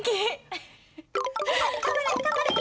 頑張れ頑張れ。